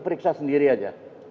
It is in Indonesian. periksa sendiri aja